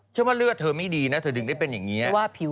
ว่าเลือดเธอไม่ดีนะเธอดึงได้เป็นอย่างนี้